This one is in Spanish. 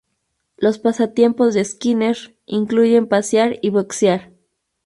Los pasatiempos de Skinner incluyen pasear y boxear.